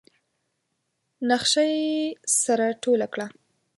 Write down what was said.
نخشه يې سره ټوله کړه.